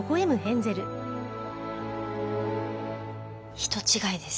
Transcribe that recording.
人違いです。